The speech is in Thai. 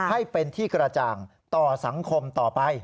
ให้เป็นที่กระจ่างต่อสังคมต่อไป